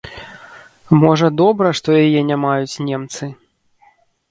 Можа, добра, што яе не маюць немцы.